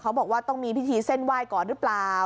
บอกว่าต้องมีพิธีเส้นไหว้ก่อนหรือเปล่า